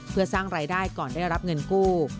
เพื่อสร้างรายได้ก่อนได้รับเงินกู้